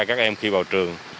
các em khi vào trường